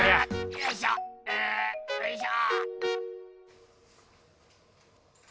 よいしょうんよいしょ。